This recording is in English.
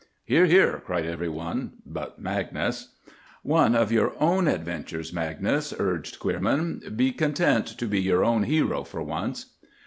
"Hear! Hear!" cried every one but Magnus. "One of your own adventures, Magnus," urged Queerman. "Be content to be your own hero for once."